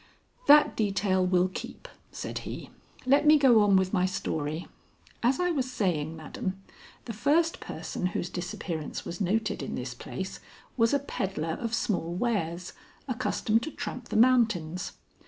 "That detail will keep," said he. "Let me go on with my story. As I was saying, madam, the first person whose disappearance was noted in this place was a peddler of small wares, accustomed to tramp the mountains.